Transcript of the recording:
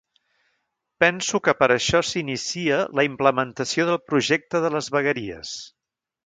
Penso que per això s'inicia la implementació del projecte de les vegueries.